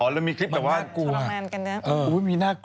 อยากช่วยมาก